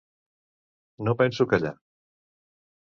No penso callar!